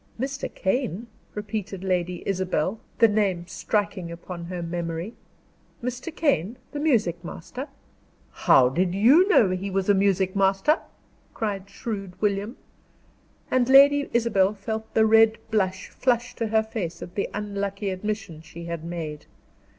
"Mr. Kane?" repeated Lady Isabel, the name striking upon her memory. "Mr. Kane, the music master?" "How did you know he was a music master?" cried shrewd William. And Lady Isabel felt the red blood flush to her face at the unlucky admission she had made.